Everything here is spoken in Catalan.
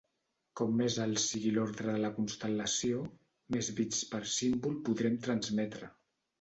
Com més alt sigui l'ordre de la constel·lació més bits per símbol podrem transmetre.